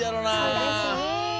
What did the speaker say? そうですね。